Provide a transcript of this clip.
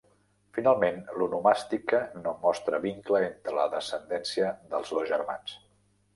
Finalment l'onomàstica no mostre vincle entre la descendència dels dos germans.